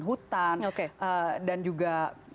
hutan dan juga